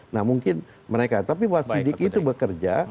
nah mungkin mereka tapi wasidik itu bekerja